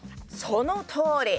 そのとおり。